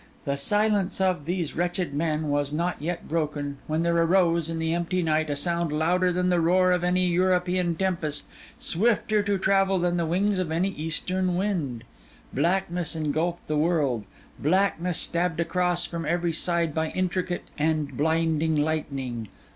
The silence of these wretched men was not yet broken, when there arose, in the empty night, a sound louder than the roar of any European tempest, swifter to travel than the wings of any Eastern wind. Blackness engulfed the world; blackness, stabbed across from every side by intricate and blinding lightning.